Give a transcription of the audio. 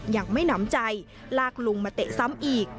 ยังไม่หนำใจลากลุงมาเตะซ้ำอีก